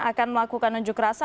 akan melakukan nunjuk rasa